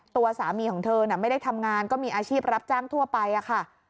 ตัวสามีของเธอน่ะไม่ได้ทำงานก็มีอาชีพรับจ้างทั่วไปค่ะ